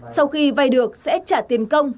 sau khi vay được sẽ trả tiền công